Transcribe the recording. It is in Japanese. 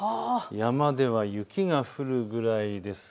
山では雪が降るぐらいです。